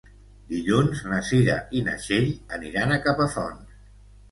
Dilluns na Cira i na Txell aniran a Capafonts.